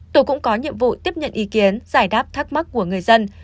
tổ cũng có nhiệm vụ tiếp nhận ý kiến giải đáp thắc mắc của người dân